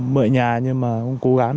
mọi nhà nhưng mà cũng cố gắng